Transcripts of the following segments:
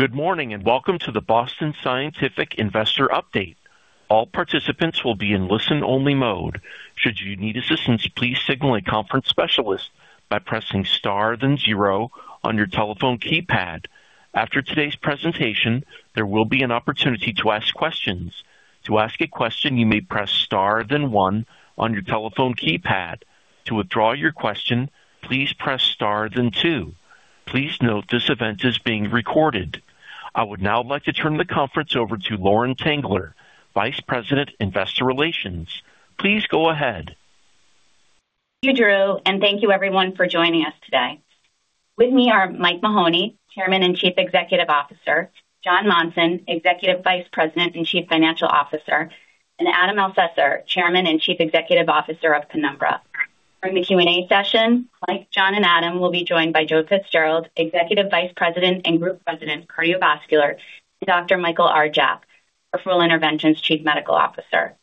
Good morning and welcome to the Boston Scientific Investor Update. All participants will be in listen-only mode. Should you need assistance, please signal a conference specialist by pressing star then zero on your telephone keypad. After today's presentation, there will be an opportunity to ask questions. To ask a question, you may press star then one on your telephone keypad. To withdraw your question, please press star then two. Please note this event is being recorded. I would now like to turn the conference over to Lauren Tengler, Vice President, Investor Relations. Please go ahead. Thank you, Drew, and thank you everyone for joining us today. With me are Mike Mahoney, Chairman and Chief Executive Officer, Jon Monson, Executive Vice President and Chief Financial Officer, and Adam Elsesser, Chairman and Chief Executive Officer of Penumbra. During the Q&A session, Mike, Jon, and Adam will be joined by Joe Fitzgerald, Executive Vice President and Group President, Cardiovascular, and Dr. Michael R. Jaff, Peripheral Interventions Chief Medical Officer.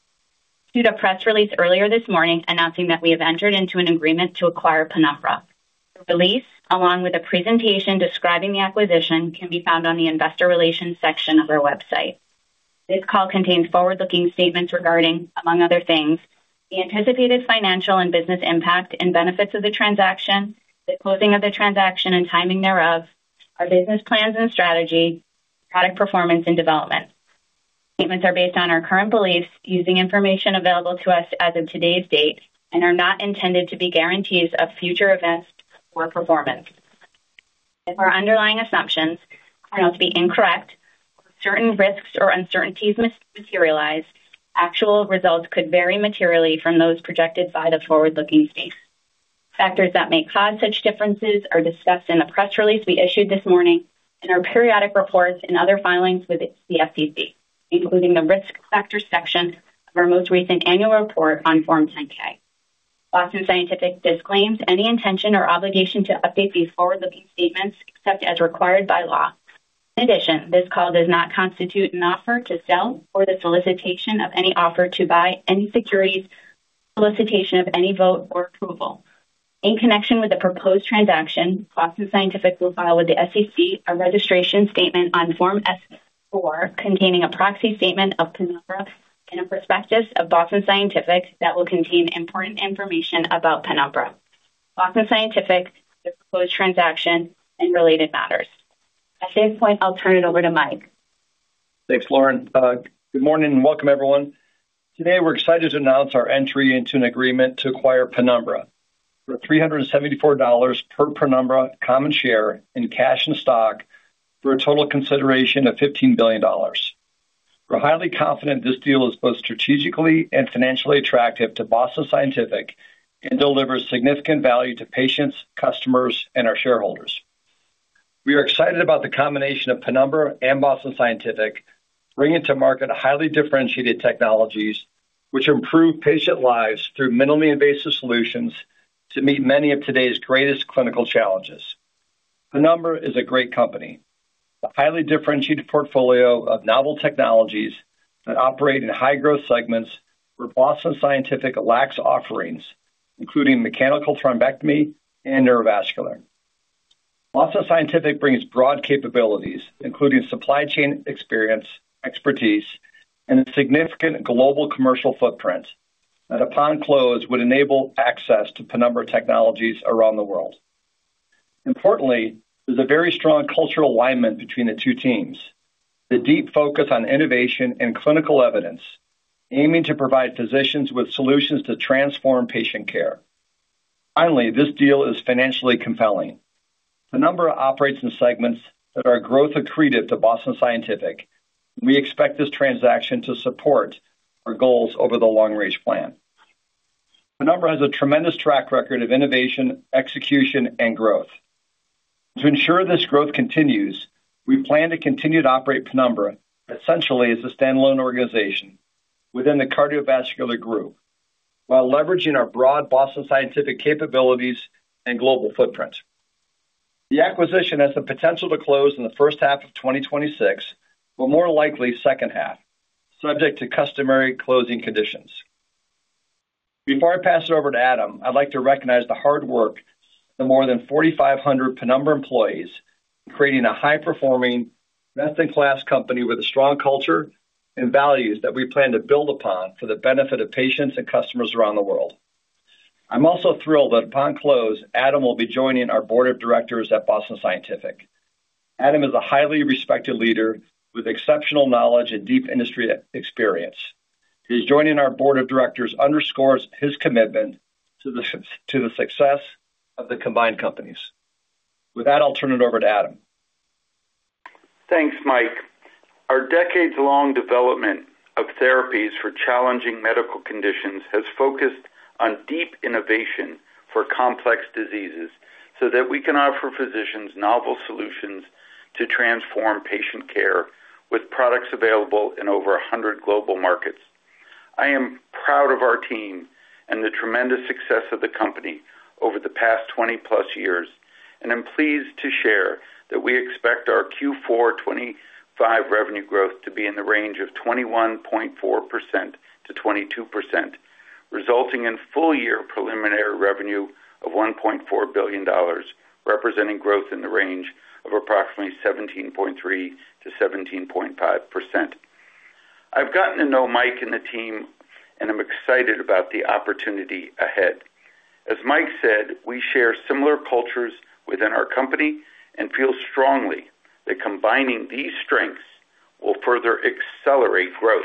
Due to a press release earlier this morning announcing that we have entered into an agreement to acquire Penumbra, the release, along with a presentation describing the acquisition, can be found on the Investor Relations section of our website. This call contains forward-looking statements regarding, among other things, the anticipated financial and business impact and benefits of the transaction, the closing of the transaction and timing thereof, our business plans and strategy, product performance, and development. Statements are based on our current beliefs using information available to us as of today's date and are not intended to be guarantees of future events or performance. If our underlying assumptions turn out to be incorrect or certain risks or uncertainties materialize, actual results could vary materially from those projected by the forward-looking statements. Factors that may cause such differences are discussed in a press release we issued this morning and our periodic reports and other filings with the SEC, including the risk factors section of our most recent annual report on Form 10-K. Boston Scientific disclaims any intention or obligation to update these forward-looking statements except as required by law. In addition, this call does not constitute an offer to sell or the solicitation of any offer to buy any securities, solicitation of any vote or approval. In connection with the proposed transaction, Boston Scientific will file with the SEC a registration statement on Form S-4 containing a proxy statement of Penumbra and a prospectus of Boston Scientific that will contain important information about Penumbra, Boston Scientific, the proposed transaction, and related matters. At this point, I'll turn it over to Mike. Thanks, Lauren. Good morning and welcome, everyone. Today, we're excited to announce our entry into an agreement to acquire Penumbra for $374 per Penumbra common share in cash and stock for a total consideration of $15 billion. We're highly confident this deal is both strategically and financially attractive to Boston Scientific and delivers significant value to patients, customers, and our shareholders. We are excited about the combination of Penumbra and Boston Scientific bringing to market highly differentiated technologies which improve patient lives through minimally invasive solutions to meet many of today's greatest clinical challenges. Penumbra is a great company. The highly differentiated portfolio of novel technologies that operate in high-growth segments where Boston Scientific lacks offerings, including mechanical thrombectomy and neurovascular. Boston Scientific brings broad capabilities, including supply chain experience, expertise, and a significant global commercial footprint that, upon close, would enable access to Penumbra technologies around the world. Importantly, there's a very strong cultural alignment between the two teams, the deep focus on innovation and clinical evidence, aiming to provide physicians with solutions to transform patient care. Finally, this deal is financially compelling. Penumbra operates in segments that are a growth accretive to Boston Scientific, and we expect this transaction to support our goals over the Long-Range Plan. Penumbra has a tremendous track record of innovation, execution, and growth. To ensure this growth continues, we plan to continue to operate Penumbra essentially as a standalone organization within the Cardiovascular group while leveraging our broad Boston Scientific capabilities and global footprint. The acquisition has the potential to close in the first half of 2026, but more likely second half, subject to customary closing conditions. Before I pass it over to Adam, I'd like to recognize the hard work of the more than 4,500 Penumbra employees in creating a high-performing, best-in-class company with a strong culture and values that we plan to build upon for the benefit of patients and customers around the world. I'm also thrilled that, upon close, Adam will be joining our board of directors at Boston Scientific. Adam is a highly respected leader with exceptional knowledge and deep industry experience. His joining our board of directors underscores his commitment to the success of the combined companies. With that, I'll turn it over to Adam. Thanks, Mike. Our decades-long development of therapies for challenging medical conditions has focused on deep innovation for complex diseases so that we can offer physicians novel solutions to transform patient care with products available in over 100 global markets. I am proud of our team and the tremendous success of the company over the past 20-plus years, and I'm pleased to share that we expect our Q4 '25 revenue growth to be in the range of 21.4%-22%, resulting in full-year preliminary revenue of $1.4 billion, representing growth in the range of approximately 17.3%-17.5%. I've gotten to know Mike and the team, and I'm excited about the opportunity ahead. As Mike said, we share similar cultures within our company and feel strongly that combining these strengths will further accelerate growth.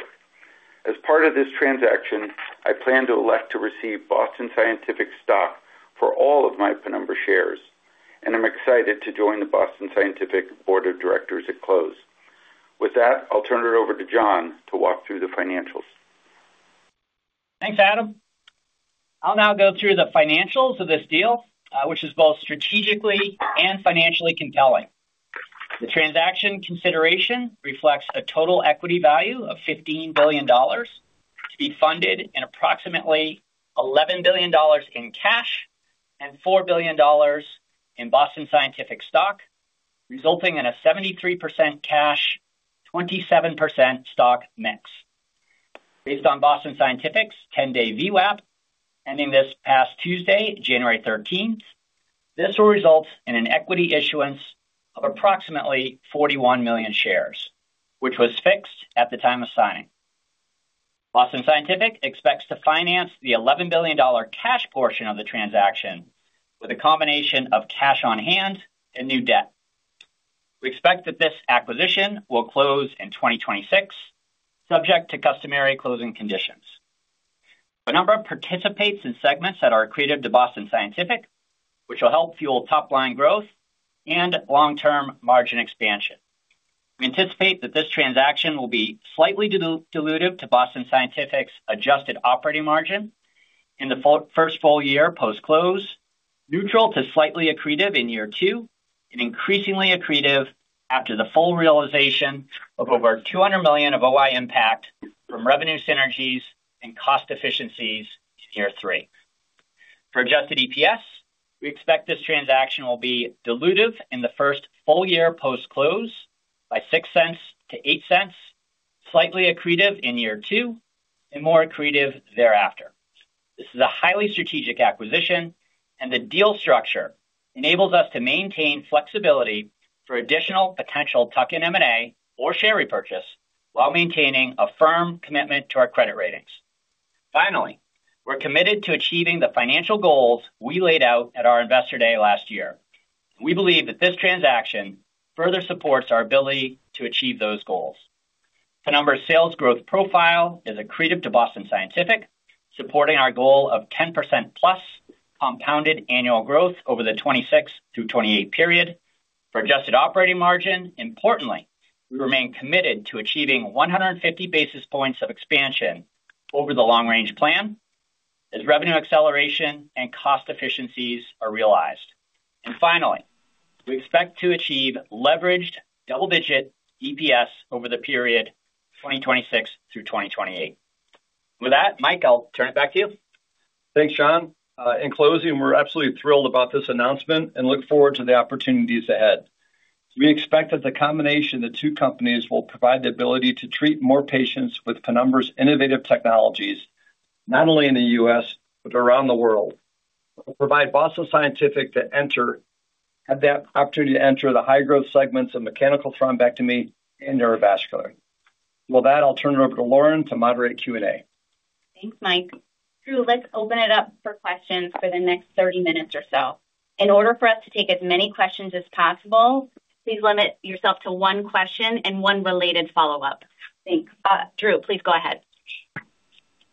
As part of this transaction, I plan to elect to receive Boston Scientific stock for all of my Penumbra shares, and I'm excited to join the Boston Scientific board of directors at close. With that, I'll turn it over to Jon to walk through the financials. Thanks, Adam. I'll now go through the financials of this deal, which is both strategically and financially compelling. The transaction consideration reflects a total equity value of $15 billion to be funded in approximately $11 billion in cash and $4 billion in Boston Scientific stock, resulting in a 73% cash, 27% stock mix. Based on Boston Scientific's 10-day VWAP, ending this past Tuesday, January 13th, this will result in an equity issuance of approximately 41 million shares, which was fixed at the time of signing. Boston Scientific expects to finance the $11 billion cash portion of the transaction with a combination of cash on hand and new debt. We expect that this acquisition will close in 2026, subject to customary closing conditions. Penumbra participates in segments that are accretive to Boston Scientific, which will help fuel top-line growth and long-term margin expansion. We anticipate that this transaction will be slightly dilutive to Boston Scientific's adjusted operating margin in the first full year post-close, neutral to slightly accretive in year two, and increasingly accretive after the full realization of over $200 million of OI impact from revenue synergies and cost efficiencies in year three. For adjusted EPS, we expect this transaction will be dilutive in the first full year post-close by $0.06-$0.08, slightly accretive in year two, and more accretive thereafter. This is a highly strategic acquisition, and the deal structure enables us to maintain flexibility for additional potential tuck-in M&A or share repurchase while maintaining a firm commitment to our credit ratings. Finally, we're committed to achieving the financial goals we laid out at our Investor Day last year. We believe that this transaction further supports our ability to achieve those goals. Penumbra's sales growth profile is accretive to Boston Scientific, supporting our goal of 10% plus compounded annual growth over the 2026 through 2028 period for adjusted operating margin. Importantly, we remain committed to achieving 150 basis points of expansion over the Long-Range Plan as revenue acceleration and cost efficiencies are realized. And finally, we expect to achieve leveraged double-digit EPS over the period 2026 through 2028. With that, Mike, I'll turn it back to you. Thanks, Jon. In closing, we're absolutely thrilled about this announcement and look forward to the opportunities ahead. We expect that the combination of the two companies will provide the ability to treat more patients with Penumbra's innovative technologies, not only in the U.S., but around the world. We'll provide Boston Scientific the opportunity to enter the high-growth segments of mechanical thrombectomy and neurovascular. With that, I'll turn it over to Lauren to moderate Q&A. Thanks, Mike. Drew, let's open it up for questions for the next 30 minutes or so. In order for us to take as many questions as possible, please limit yourself to one question and one related follow-up. Thanks. Drew, please go ahead.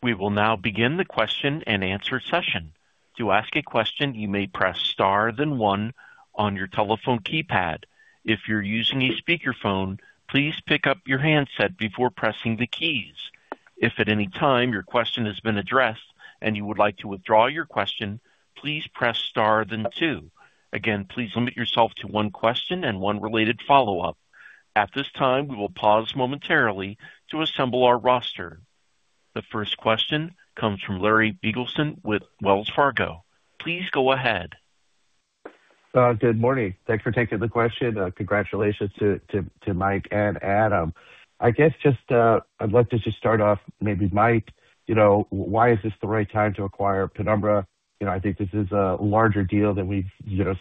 We will now begin the question-and-answer session. To ask a question, you may press star then one on your telephone keypad. If you're using a speakerphone, please pick up your handset before pressing the keys. If at any time your question has been addressed and you would like to withdraw your question, please press star then two. Again, please limit yourself to one question and one related follow-up. At this time, we will pause momentarily to assemble our roster. The first question comes from Larry Biegelsen with Wells Fargo. Please go ahead. Good morning. Thanks for taking the question. Congratulations to Mike and Adam. I guess just I'd like to just start off, maybe Mike, why is this the right time to acquire Penumbra? I think this is a larger deal than we've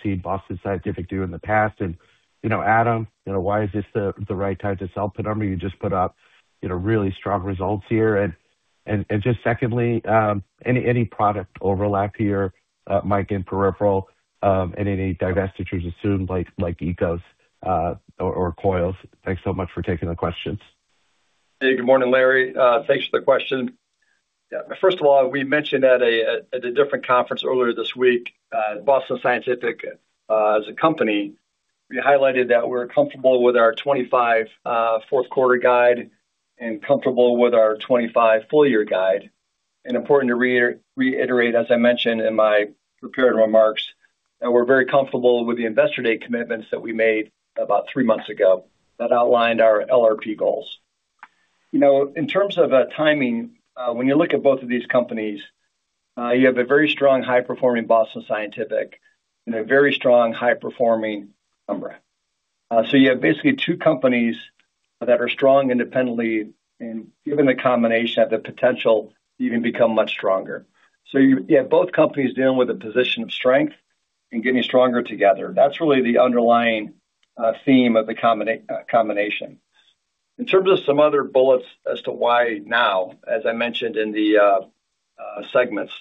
seen Boston Scientific do in the past. And Adam, why is this the right time to sell Penumbra? You just put up really strong results here. And just secondly, any product overlap here, Mike in peripheral, and any divestitures assumed like EKOS or coils? Thanks so much for taking the questions. Hey, good morning, Larry. Thanks for the question. Yeah, first of all, we mentioned at a different conference earlier this week, Boston Scientific as a company, we highlighted that we're comfortable with our 2025 fourth quarter guide and comfortable with our 2025 full-year guide, and important to reiterate, as I mentioned in my prepared remarks, that we're very comfortable with the investor day commitments that we made about three months ago that outlined our LRP goals. In terms of timing, when you look at both of these companies, you have a very strong high-performing Boston Scientific and a very strong high-performing Penumbra, so you have basically two companies that are strong independently, and given the combination, have the potential to even become much stronger, so you have both companies dealing with a position of strength and getting stronger together. That's really the underlying theme of the combination. In terms of some other bullets as to why now, as I mentioned in the segments,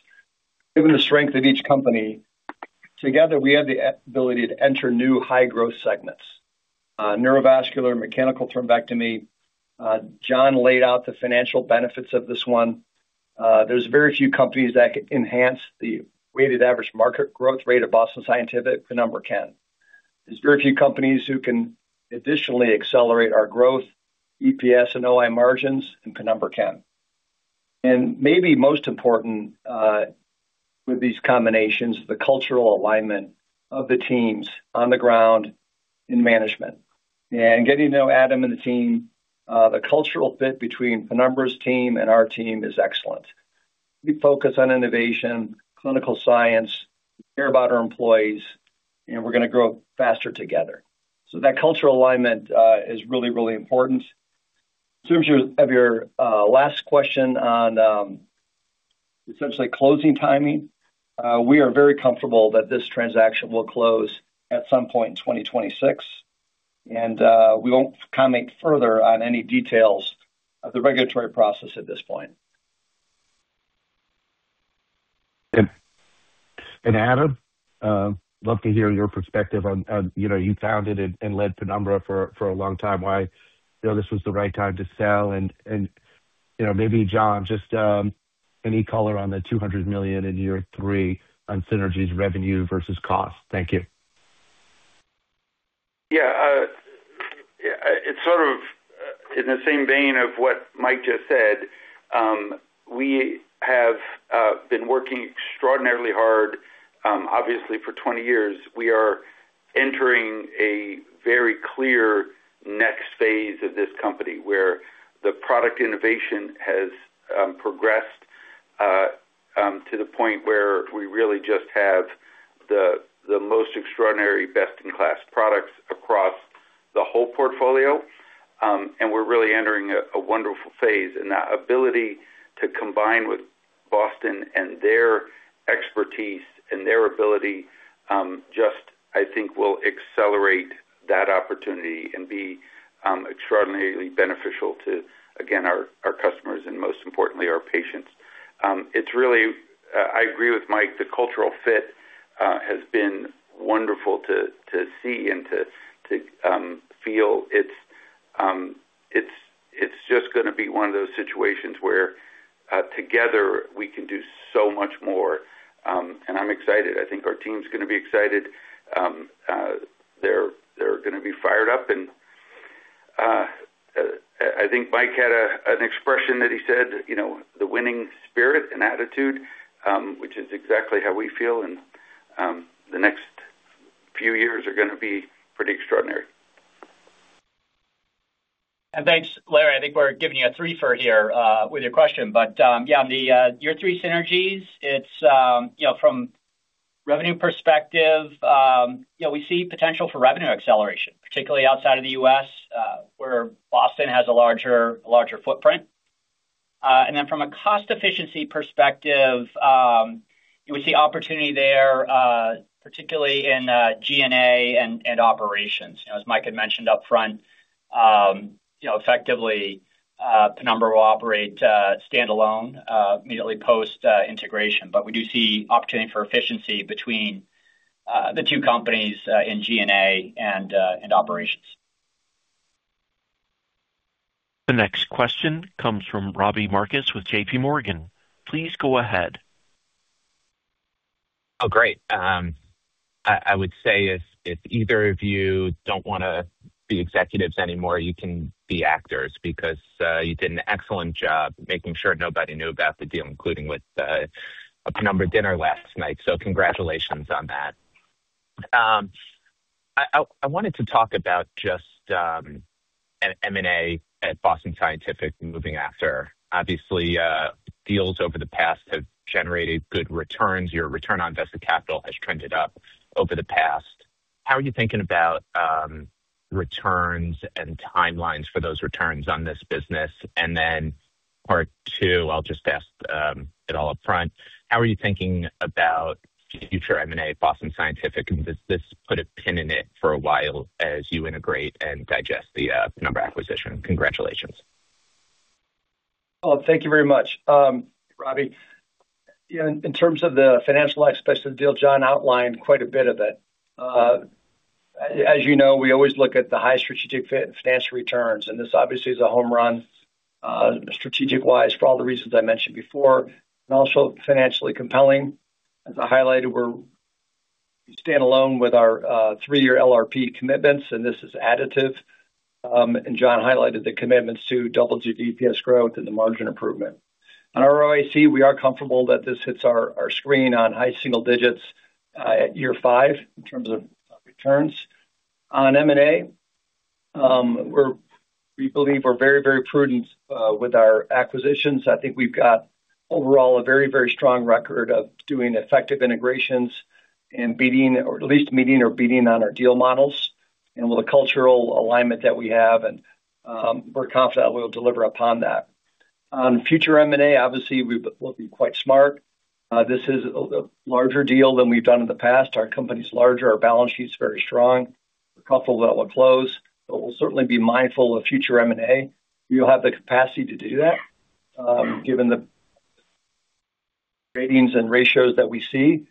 given the strength of each company, together, we have the ability to enter new high-growth segments: neurovascular, mechanical thrombectomy. Jon laid out the financial benefits of this one. There's very few companies that can enhance the weighted average market growth rate of Boston Scientific. Penumbra can. There's very few companies who can additionally accelerate our growth, EPS, and OI margins. Penumbra can. And maybe most important with these combinations, the cultural alignment of the teams on the ground in management. And getting to know Adam and the team, the cultural fit between Penumbra's team and our team is excellent. We focus on innovation, clinical science, care about our employees, and we're going to grow faster together. So that cultural alignment is really, really important. In terms of your last question on essentially closing timing, we are very comfortable that this transaction will close at some point in 2026, and we won't comment further on any details of the regulatory process at this point. And Adam, love to hear your perspective on you founded and led Penumbra for a long time, why this was the right time to sell. And maybe, Jon, just any color on the $200 million in year three on Synergy's revenue versus cost? Thank you. Yeah. It's sort of in the same vein of what Mike just said. We have been working extraordinarily hard, obviously, for 20 years. We are entering a very clear next phase of this company where the product innovation has progressed to the point where we really just have the most extraordinary, best-in-class products across the whole portfolio. And we're really entering a wonderful phase, and that ability to combine with Boston and their expertise and their ability just, I think, will accelerate that opportunity and be extraordinarily beneficial to, again, our customers and, most importantly, our patients. It's really, I agree with Mike, the cultural fit has been wonderful to see and to feel. It's just going to be one of those situations where together we can do so much more. And I'm excited. I think our team's going to be excited. They're going to be fired up. I think Mike had an expression that he said, the winning spirit and attitude, which is exactly how we feel, and the next few years are going to be pretty extraordinary. Thanks, Larry. I think we're giving you a three-for here with your question. But yeah, the year three synergies, from revenue perspective, we see potential for revenue acceleration, particularly outside of the U.S., where Boston has a larger footprint. And then from a cost efficiency perspective, we see opportunity there, particularly in G&A and operations. As Mike had mentioned upfront, effectively, Penumbra will operate standalone immediately post-integration. But we do see opportunity for efficiency between the two companies in G&A and operations. The next question comes from Robbie Marcus with J.P. Morgan. Please go ahead. Oh, great. I would say if either of you don't want to be executives anymore, you can be actors because you did an excellent job making sure nobody knew about the deal, including with a Penumbra dinner last night. So congratulations on that. I wanted to talk about just M&A at Boston Scientific moving forward. Obviously, deals over the past have generated good returns. Your return on invested capital has trended up over the past. How are you thinking about returns and timelines for those returns on this business? And then part two, I'll just ask it all upfront. How are you thinking about future M&A at Boston Scientific, and does this put a pin in it for a while as you integrate and digest the Penumbra acquisition? Congratulations. Oh, thank you very much, Robbie. In terms of the financial aspects of the deal, Jon outlined quite a bit of it. As you know, we always look at the high strategic financial returns, and this obviously is a home run strategic-wise for all the reasons I mentioned before, and also financially compelling. As I highlighted, we stand alone with our three-year LRP commitments, and this is additive, and Jon highlighted the commitments to double-digit EPS growth and the margin improvement. On ROIC, we are comfortable that this hits our screen on high single digits at year five in terms of returns. On M&A, we believe we're very, very prudent with our acquisitions. I think we've got overall a very, very strong record of doing effective integrations and beating, or at least meeting or beating on our deal models. And with the cultural alignment that we have, we're confident we'll deliver upon that. On future M&A, obviously, we'll be quite smart. This is a larger deal than we've done in the past. Our company's larger. Our balance sheet's very strong. We're comfortable that we'll close, but we'll certainly be mindful of future M&A. We'll have the capacity to do that given the ratings and ratios that we see.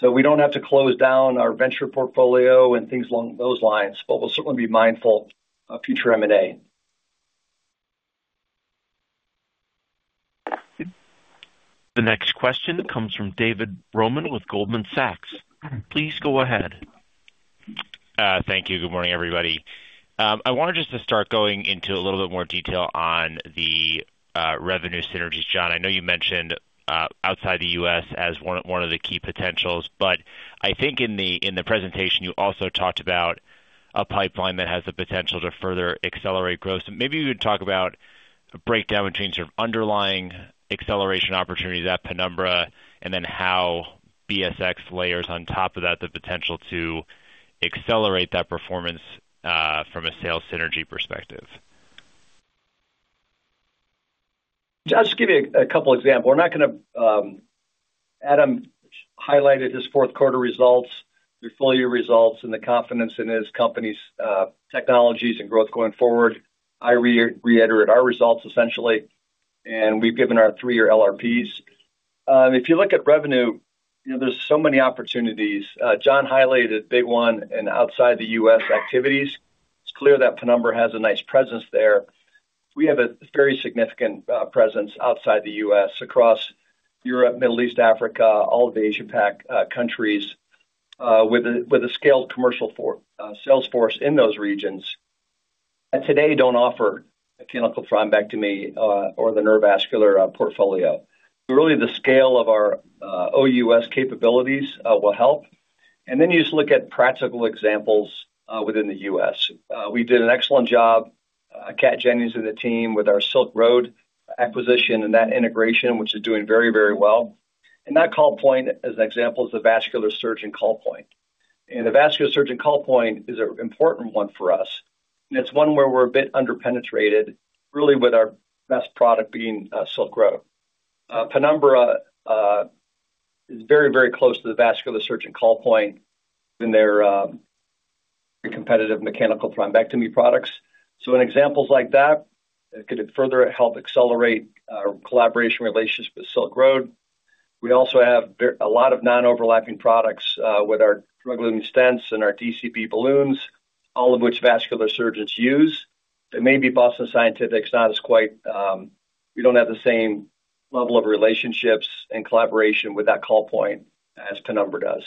So we don't have to close down our venture portfolio and things along those lines, but we'll certainly be mindful of future M&A. The next question comes from David Roman with Goldman Sachs. Please go ahead. Thank you. Good morning, everybody. I wanted just to start going into a little bit more detail on the revenue synergies. Jon, I know you mentioned outside the U.S. as one of the key potentials, but I think in the presentation, you also talked about a pipeline that has the potential to further accelerate growth. Maybe you could talk about a breakdown between sort of underlying acceleration opportunities at Penumbra and then how BSX layers on top of that the potential to accelerate that performance from a sales synergy perspective. I'll just give you a couple of examples. We're not going to. Adam highlighted his fourth quarter results, their full-year results, and the confidence in his company's technologies and growth going forward. I'll reiterate our results, essentially, and we've given our three-year LRPs. If you look at revenue, there's so many opportunities. Jon highlighted big one and outside the U.S. activities. It's clear that Penumbra has a nice presence there. We have a very significant presence outside the U.S., across Europe, Middle East, Africa, all of the Asia-Pac countries, with a scaled commercial sales force in those regions that today don't offer mechanical thrombectomy or the neurovascular portfolio. Really, the scale of our OUS capabilities will help. And then you just look at practical examples within the U.S. We did an excellent job. Cat Jennings and the team with our Silk Road acquisition and that integration, which is doing very, very well. And that call point, as an example, is the vascular surgeon call point. And the vascular surgeon call point is an important one for us. And it's one where we're a bit underpenetrated, really with our best product being Silk Road. Penumbra is very, very close to the vascular surgeon call point in their competitive mechanical thrombectomy products. So in examples like that, it could further help accelerate our collaboration relations with Silk Road. We also have a lot of non-overlapping products with our drug-eluting stents and our DCB balloons, all of which vascular surgeons use. It may be Boston Scientific's not as quite we don't have the same level of relationships and collaboration with that call point as Penumbra does.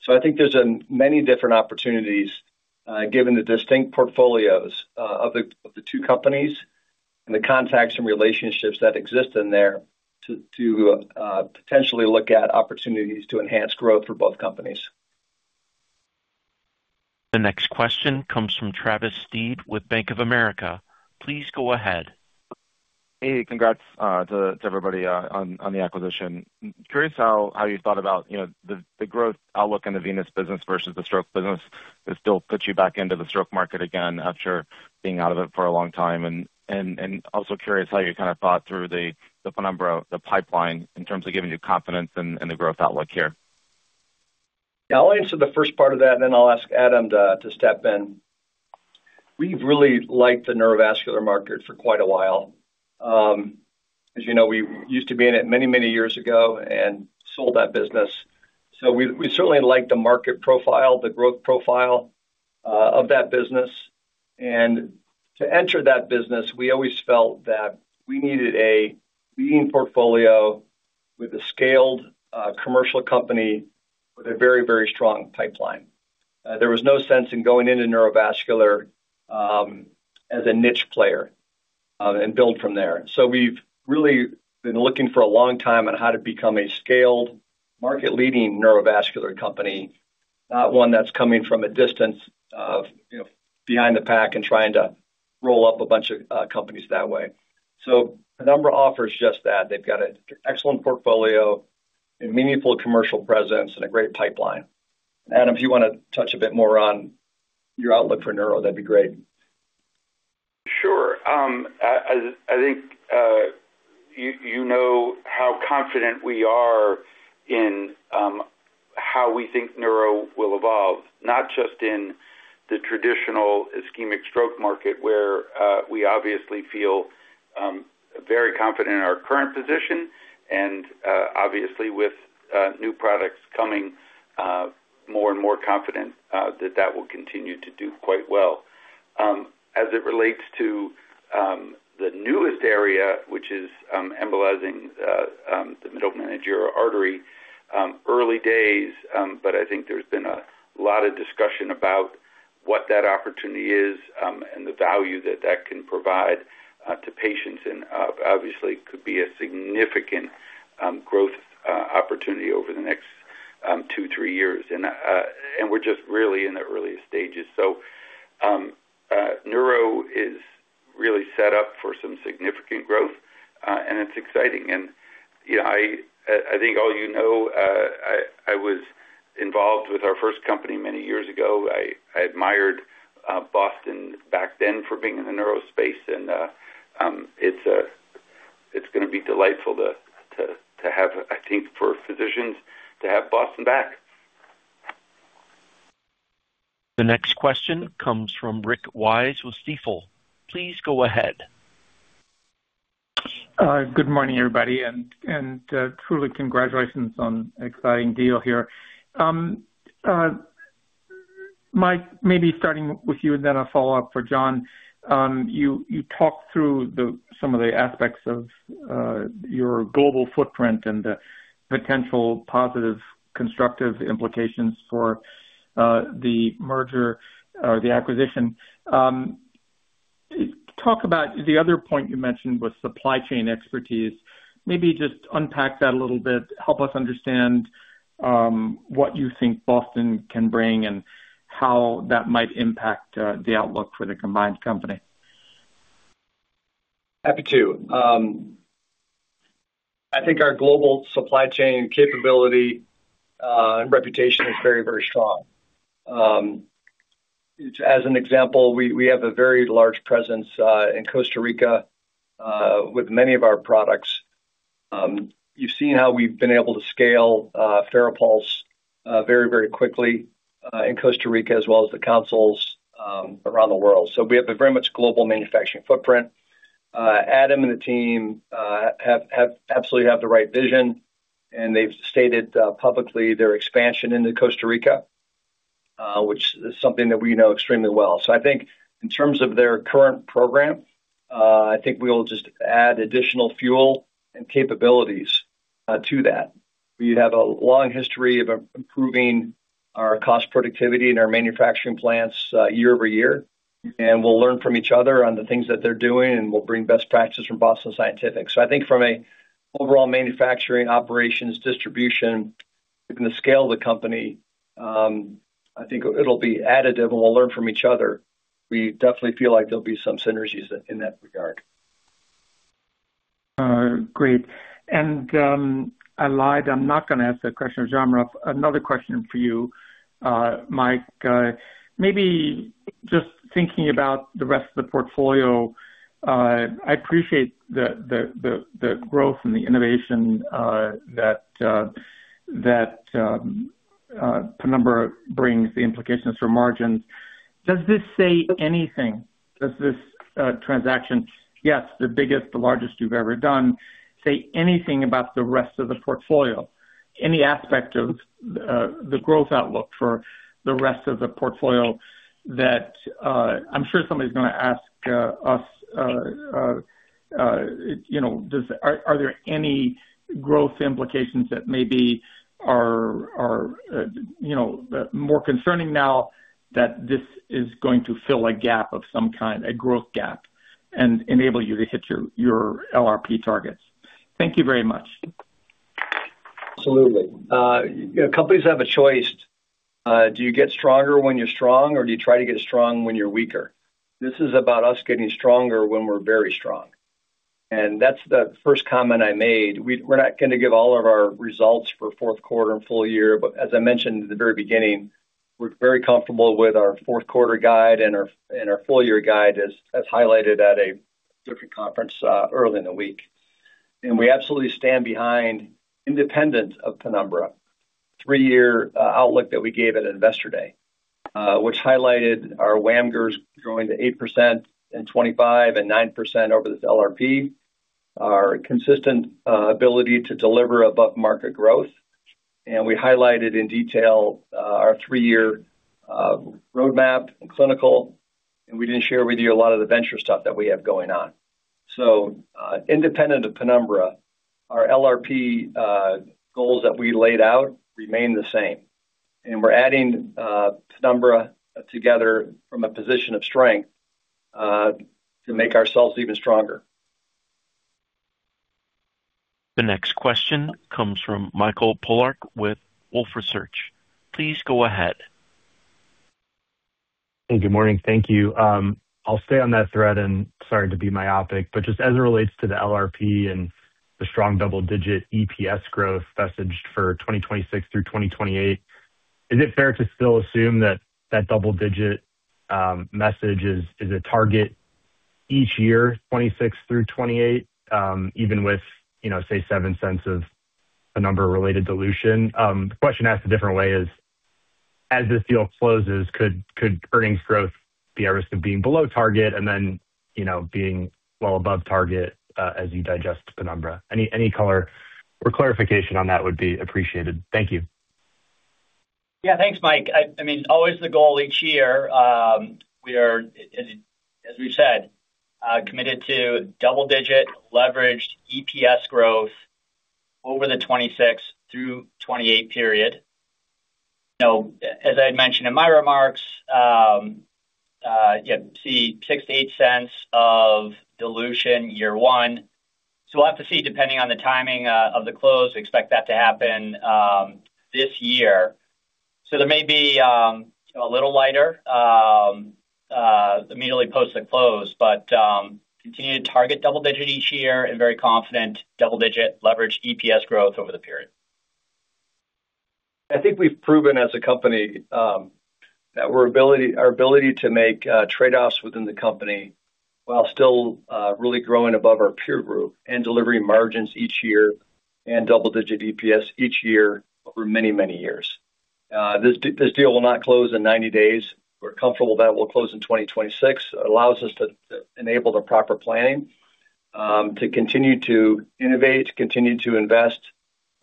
So I think there's many different opportunities, given the distinct portfolios of the two companies and the contacts and relationships that exist in there, to potentially look at opportunities to enhance growth for both companies. The next question comes from Travis Steed with Bank of America. Please go ahead. Hey, congrats to everybody on the acquisition. Curious how you thought about the growth outlook in the venous business versus the stroke business? Does it still put you back into the stroke market again after being out of it for a long time? And also curious how you kind of thought through the Penumbra pipeline in terms of giving you confidence in the growth outlook here. Yeah, I'll answer the first part of that, and then I'll ask Adam to step in. We've really liked the neurovascular market for quite a while. As you know, we used to be in it many, many years ago and sold that business. So we certainly liked the market profile, the growth profile of that business. And to enter that business, we always felt that we needed a leading portfolio with a scaled commercial company with a very, very strong pipeline. There was no sense in going into neurovascular as a niche player and build from there. So we've really been looking for a long time on how to become a scaled market-leading neurovascular company, not one that's coming from a distance behind the pack and trying to roll up a bunch of companies that way. So Penumbra offers just that. They've got an excellent portfolio and meaningful commercial presence and a great pipeline. Adam, if you want to touch a bit more on your outlook for Neuro, that'd be great. Sure. I think you know how confident we are in how we think Neuro will evolve, not just in the traditional ischemic stroke market, where we obviously feel very confident in our current position, and obviously, with new products coming, more and more confident that that will continue to do quite well. As it relates to the newest area, which is embolizing the middle meningeal artery, early days, but I think there's been a lot of discussion about what that opportunity is and the value that that can provide to patients, and obviously, it could be a significant growth opportunity over the next two, three years, and we're just really in the early stages. So, neuro is really set up for some significant growth, and it's exciting. And I think, you know, I was involved with our first company many years ago. I admired Boston back then for being in the neuro space. And it's going to be delightful to have, I think, for physicians to have Boston back. The next question comes from Rick Wise with Stifel. Please go ahead. Good morning, everybody, and truly congratulations on an exciting deal here. Mike, maybe starting with you, and then I'll follow up for Jon. You talked through some of the aspects of your global footprint and the potential positive, constructive implications for the merger or the acquisition. Talk about the other point you mentioned with supply chain expertise. Maybe just unpack that a little bit, help us understand what you think Boston can bring and how that might impact the outlook for the combined company. Happy to. I think our global supply chain capability and reputation is very, very strong. As an example, we have a very large presence in Costa Rica with many of our products. You've seen how we've been able to scale FARAPULSE very, very quickly in Costa Rica, as well as the consoles around the world. So we have a very much global manufacturing footprint. Adam and the team absolutely have the right vision, and they've stated publicly their expansion into Costa Rica, which is something that we know extremely well. So I think in terms of their current program, I think we will just add additional fuel and capabilities to that. We have a long history of improving our cost productivity in our manufacturing plants year over year, and we'll learn from each other on the things that they're doing, and we'll bring best practices from Boston Scientific. So I think from an overall manufacturing operations distribution, the scale of the company, I think it'll be additive, and we'll learn from each other. We definitely feel like there'll be some synergies in that regard. Great. And I'm not going to ask the question of John. Another question for you, Mike. Maybe just thinking about the rest of the portfolio, I appreciate the growth and the innovation that Penumbra brings, the implications for margins. Does this say anything? Does this transaction, yes, the biggest, the largest you've ever done, say anything about the rest of the portfolio, any aspect of the growth outlook for the rest of the portfolio that I'm sure somebody's going to ask us, are there any growth implications that maybe are more concerning now that this is going to fill a gap of some kind, a growth gap, and enable you to hit your LRP targets? Thank you very much. Absolutely. Companies have a choice. Do you get stronger when you're strong, or do you try to get strong when you're weaker? This is about us getting stronger when we're very strong, and that's the first comment I made. We're not going to give all of our results for fourth quarter and full year, but as I mentioned at the very beginning, we're very comfortable with our fourth quarter guide and our full year guide as highlighted at a different conference early in the week. And we absolutely stand behind, independent of Penumbra, the three-year outlook that we gave at Investor Day, which highlighted our WAMGRs growing to 8% in 2025 and 9% over the LRP, our consistent ability to deliver above-market growth. And we highlighted in detail our three-year roadmap and clinical, and we didn't share with you a lot of the venture stuff that we have going on. So independent of Penumbra, our LRP goals that we laid out remain the same. And we're adding Penumbra together from a position of strength to make ourselves even stronger. The next question comes from Mike Polark with Wolfe Research. Please go ahead. Hey, good morning. Thank you. I'll stay on that thread and sorry to be myopic, but just as it relates to the LRP and the strong double-digit EPS growth message for 2026 through 2028, is it fair to still assume that that double-digit message is a target each year, 2026 through 2028, even with, say, $0.07 of Penumbra-related dilution? The question asked a different way is, as this deal closes, could earnings growth be at risk of being below target and then being well above target as you digest Penumbra? Any color or clarification on that would be appreciated. Thank you. Yeah, thanks, Mike. I mean, always the goal each year. We are, as we've said, committed to double-digit leveraged EPS growth over the 2026 through 2028 period. As I had mentioned in my remarks, you see $0.06-$0.08 of dilution year one. So we'll have to see, depending on the timing of the close, expect that to happen this year. So there may be a little lighter immediately post the close, but continue to target double-digit each year and very confident double-digit leveraged EPS growth over the period. I think we've proven as a company that our ability to make trade-offs within the company while still really growing above our peer group and delivering margins each year and double-digit EPS each year over many, many years. This deal will not close in 90 days. We're comfortable that we'll close in 2026. It allows us to enable the proper planning to continue to innovate, continue to invest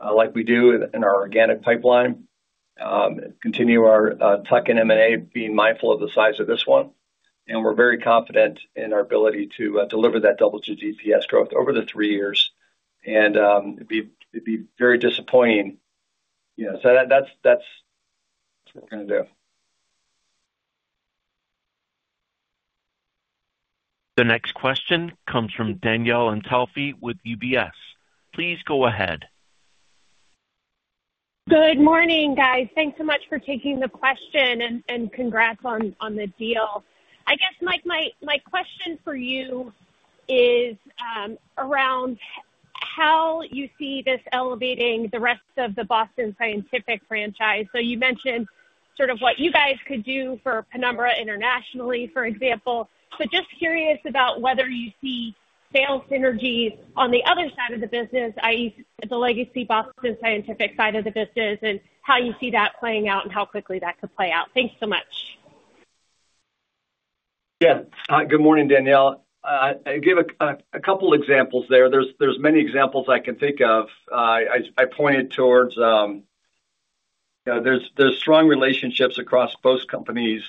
like we do in our organic pipeline, continue our tuck-in and M&A being mindful of the size of this one. And we're very confident in our ability to deliver that double-digit EPS growth over the three years. And it'd be very disappointing. So that's what we're going to do. The next question comes from Danielle Antalffy with UBS. Please go ahead. Good morning, guys. Thanks so much for taking the question and congrats on the deal. I guess, Mike, my question for you is around how you see this elevating the rest of the Boston Scientific franchise. So you mentioned sort of what you guys could do for Penumbra internationally, for example. But just curious about whether you see sales synergy on the other side of the business, i.e., the legacy Boston Scientific side of the business, and how you see that playing out and how quickly that could play out. Thanks so much. Yeah. Hi, good morning, Danielle. I gave a couple of examples there. There's many examples I can think of. I pointed towards there's strong relationships across both companies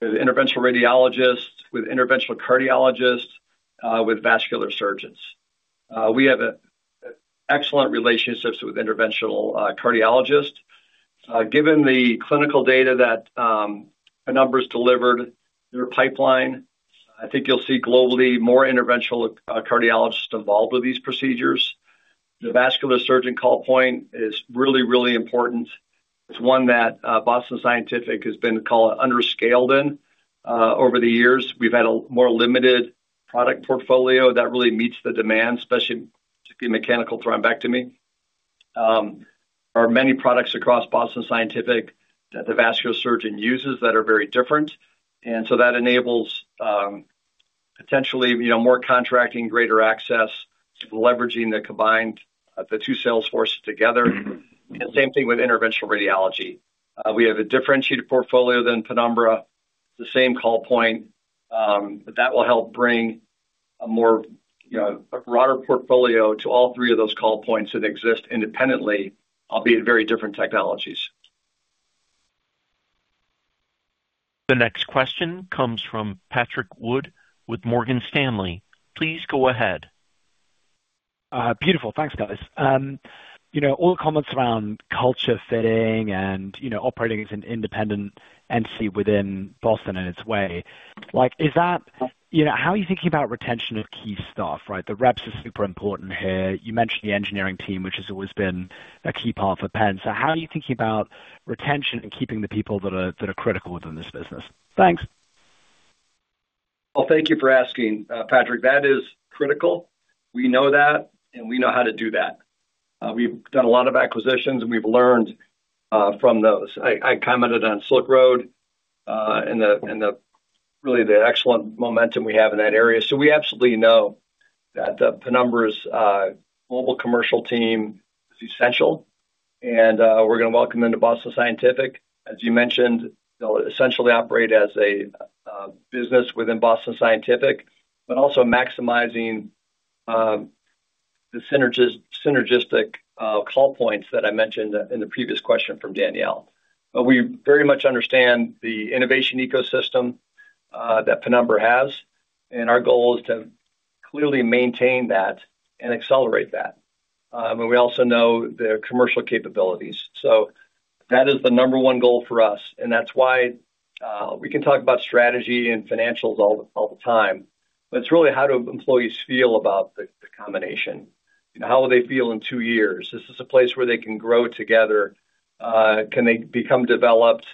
with interventional radiologists, with interventional cardiologists, with vascular surgeons. We have excellent relationships with interventional cardiologists. Given the clinical data that Penumbra's delivered through a pipeline, I think you'll see globally more interventional cardiologists involved with these procedures. The vascular surgeon call point is really, really important. It's one that Boston Scientific has been called underscaled in over the years. We've had a more limited product portfolio that really meets the demand, especially mechanical thrombectomy. There are many products across Boston Scientific that the vascular surgeon uses that are very different. And so that enables potentially more contracting, greater access, leveraging the combined two sales forces together. And same thing with interventional radiology. We have a differentiated portfolio than Penumbra. It's the same call point, but that will help bring a broader portfolio to all three of those call points that exist independently, albeit very different technologies. The next question comes from Patrick Wood with Morgan Stanley. Please go ahead. Beautiful. Thanks, guys. All the comments around culture fitting and operating as an independent entity within Boston in its way. How are you thinking about retention of key staff, right? The reps are super important here. You mentioned the engineering team, which has always been a key part for Penn. So how are you thinking about retention and keeping the people that are critical within this business? Thanks. Thank you for asking, Patrick. That is critical. We know that, and we know how to do that. We've done a lot of acquisitions, and we've learned from those. I commented on Silk Road and really the excellent momentum we have in that area. We absolutely know that the Penumbra's global commercial team is essential. We're going to welcome them to Boston Scientific. As you mentioned, they'll essentially operate as a business within Boston Scientific, but also maximizing the synergistic call points that I mentioned in the previous question from Danielle. We very much understand the innovation ecosystem that Penumbra has. Our goal is to clearly maintain that and accelerate that. We also know their commercial capabilities. That is the number one goal for us. That's why we can talk about strategy and financials all the time. But it's really how do employees feel about the combination? How will they feel in two years? Is this a place where they can grow together? Can they become developed?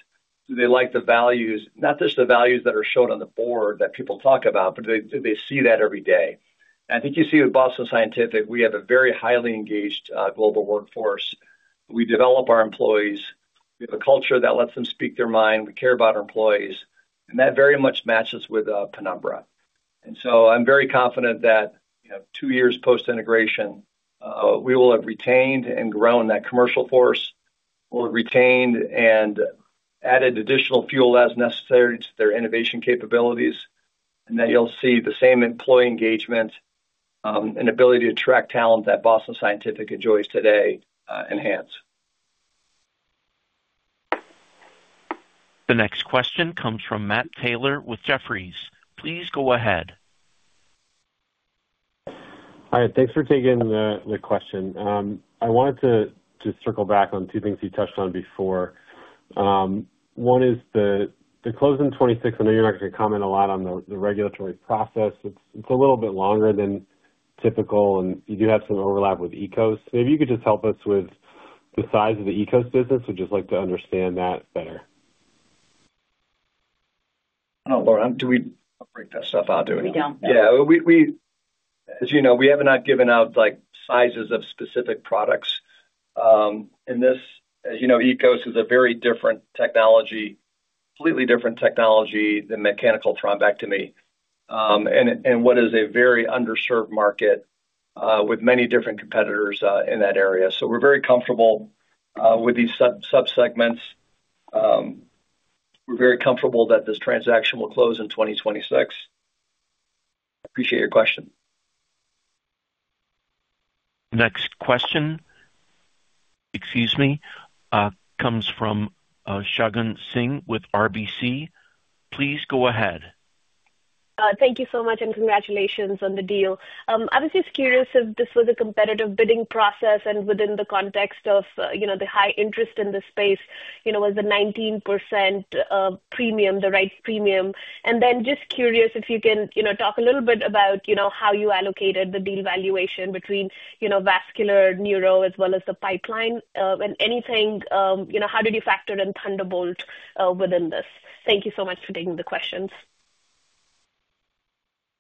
Do they like the values, not just the values that are shown on the board that people talk about, but do they see that every day? And I think you see with Boston Scientific, we have a very highly engaged global workforce. We develop our employees. We have a culture that lets them speak their mind. We care about our employees. And that very much matches with Penumbra. And so I'm very confident that two years post-integration, we will have retained and grown that commercial force. We'll have retained and added additional fuel as necessary to their innovation capabilities. And then you'll see the same employee engagement and ability to attract talent that Boston Scientific enjoys today enhance. The next question comes from Matt Taylor with Jefferies. Please go ahead. All right. Thanks for taking the question. I wanted to circle back on two things you touched on before. One is the closing '26, I know you're not going to comment a lot on the regulatory process. It's a little bit longer than typical, and you do have some overlap with EKOS. Maybe you could just help us with the size of the EKOS business. We'd just like to understand that better. Oh, Lauren, do we break that stuff out? Do we? We don't. Yeah. As you know, we have not given out sizes of specific products, and this, as you know, EKOS is a very different technology, completely different technology than mechanical thrombectomy, and what is a very underserved market with many different competitors in that area, so we're very comfortable with these subsegments, we're very comfortable that this transaction will close in 2026. I appreciate your question. Next question, excuse me, comes from Shagun Singh with RBC. Please go ahead. Thank you so much, and congratulations on the deal. I was just curious if this was a competitive bidding process, and within the context of the high interest in the space, was the 19% premium the right premium? And then just curious if you can talk a little bit about how you allocated the deal valuation between vascular, neuro, as well as the pipeline. And anything, how did you factor in Thunderbolt within this? Thank you so much for taking the questions.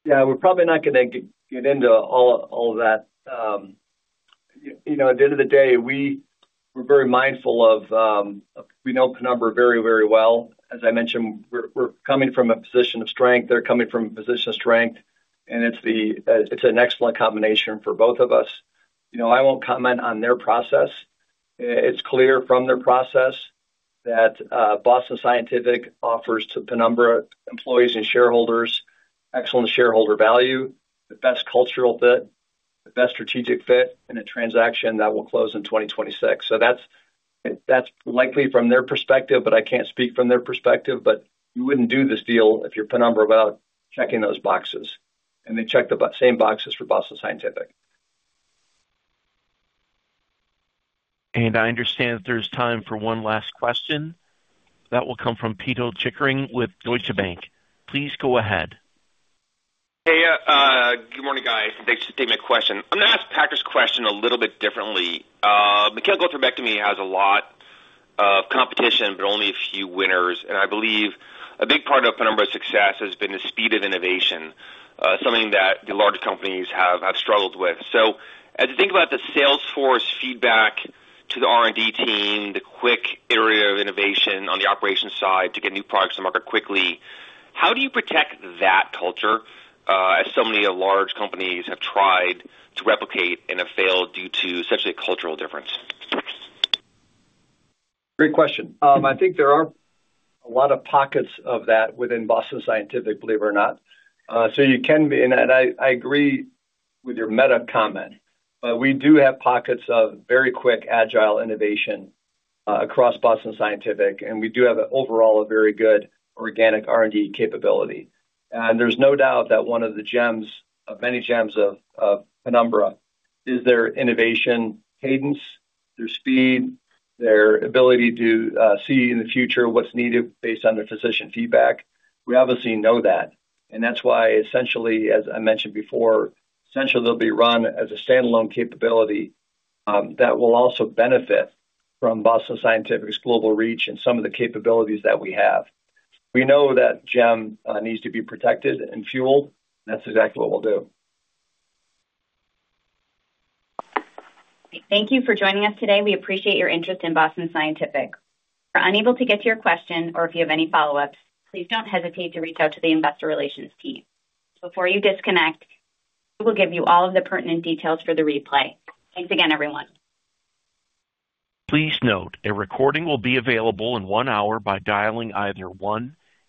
Yeah, we're probably not going to get into all of that. At the end of the day, we're very mindful of we know Penumbra very, very well. As I mentioned, we're coming from a position of strength. They're coming from a position of strength, and it's an excellent combination for both of us. I won't comment on their process. It's clear from their process that Boston Scientific offers to Penumbra employees and shareholders excellent shareholder value, the best cultural fit, the best strategic fit, and a transaction that will close in 2026. So that's likely from their perspective, but I can't speak from their perspective. But you wouldn't do this deal if you're Penumbra without checking those boxes. And they check the same boxes for Boston Scientific. I understand there's time for one last question. That will come from Pito Chickering with Deutsche Bank. Please go ahead. Hey, good morning, guys. Thanks for taking my question. I'm going to ask Patrick's question a little bit differently. Mechanical thrombectomy has a lot of competition, but only a few winners. And I believe a big part of Penumbra's success has been the speed of innovation, something that the larger companies have struggled with. So as you think about the sales force feedback to the R&D team, the quick area of innovation on the operations side to get new products to market quickly, how do you protect that culture as so many large companies have tried to replicate and have failed due to essentially a cultural difference? Great question. I think there are a lot of pockets of that within Boston Scientific, believe it or not. So you can be in that. I agree with your meta comment. But we do have pockets of very quick, agile innovation across Boston Scientific. And we do have overall a very good organic R&D capability. And there's no doubt that one of the gems, of many gems of Penumbra, is their innovation cadence, their speed, their ability to see in the future what's needed based on their physician feedback. We obviously know that. And that's why, essentially, as I mentioned before, essentially they'll be run as a standalone capability that will also benefit from Boston Scientific's global reach and some of the capabilities that we have. We know that gem needs to be protected and fueled. That's exactly what we'll do. Thank you for joining us today. We appreciate your interest in Boston Scientific. If we're unable to get to your question or if you have any follow-ups, please don't hesitate to reach out to the investor relations team. Before you disconnect, we will give you all of the pertinent details for the replay. Thanks again, everyone.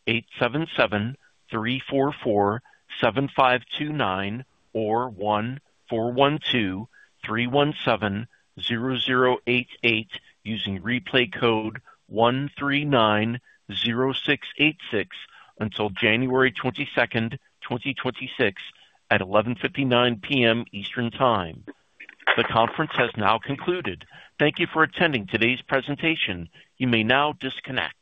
Please note a recording will be available in one hour by dialing either 1-877-344-7529 or 1-412-317-0088 using replay code 1390686 until January 22nd, 2026 at 11:59 P.M. Eastern Time. The conference has now concluded. Thank you for attending today's presentation. You may now disconnect.